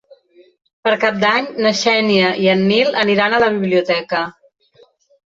Per Cap d'Any na Xènia i en Nil aniran a la biblioteca.